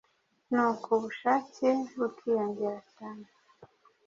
nuko ubushake bukiyongera cyane